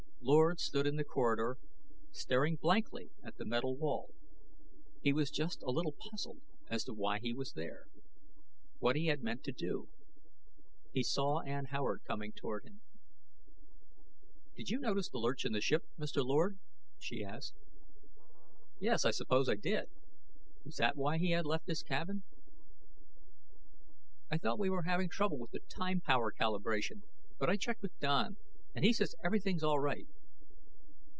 Lord stood in the corridor staring blankly at the metal wall. He was just a little puzzled as to why he was there, what he had meant to do. He saw Ann Howard coming toward him. "Did you notice the lurch in the ship, Mr. Lord?" she asked. "Yes, I suppose I did." Was that why he had left his cabin? "I thought we were having trouble with the time power calibration, but I checked with Don and he says everything's all right."